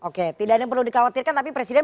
oke tidak ada yang perlu dikhawatirkan tapi presiden